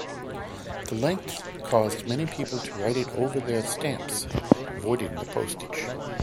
The length caused many people to write it over their stamps, voiding the postage.